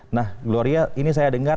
nah gloria ini saya dengar